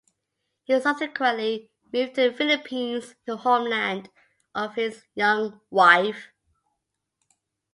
He subsequently moved to the Philippines, the homeland of his young wife.